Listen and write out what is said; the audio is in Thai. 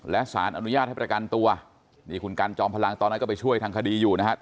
และสารอนุญาตให้ประกันตัวนี่คุณกันจอมพลังตอนนั้นก็ไปช่วยทางคดีอยู่นะฮะ